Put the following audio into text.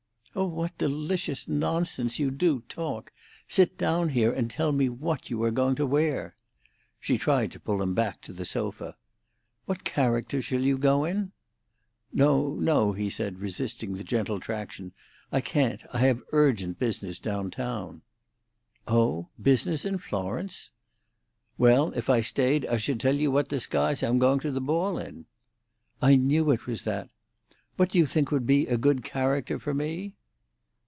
"Oh, what delicious nonsense you do talk! Sit down here and tell me what you are going to wear." She tried to pull him back to the sofa. "What character shall you go in?" "No, no," he said, resisting the gentle traction. "I can't; I have urgent business down town." "Oh! Business in Florence!" "Well, if I stayed, I should tell you what disguise I'm going to the ball in." "I knew it was that. What do you think would be a good character for me?"